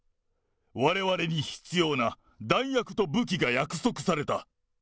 われわれに必要な弾薬と武器が約束された。